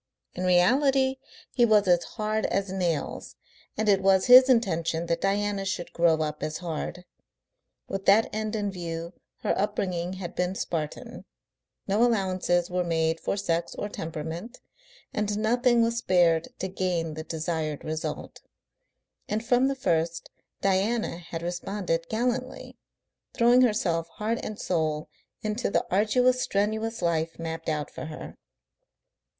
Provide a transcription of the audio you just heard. In reality he was as hard as nails, and it was his intention that Diana should grow up as hard. With that end in view her upbringing had been Spartan, no allowances were made for sex or temperament and nothing was spared to gain the desired result. And from the first Diana had responded gallantly, throwing herself heart and soul into the arduous, strenuous life mapped out for her.